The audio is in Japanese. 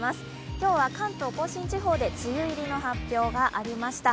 今日は関東甲信地方で梅雨入りの発表がありました。